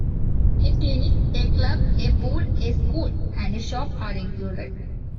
A clinic, a club, a pool, a school and a shop are included.